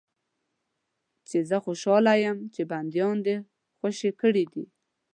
چې زه خوشاله یم چې بندیان دې خوشي کړي دي.